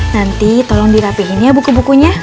nanti tolong dirapihin ya buku bukunya